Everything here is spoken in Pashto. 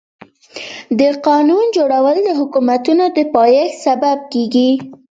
د قانون جوړول د حکومتونو د پايښت سبب کيږي.